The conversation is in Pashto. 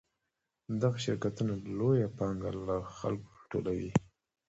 دغه شرکتونه لویه پانګه له خلکو راټولوي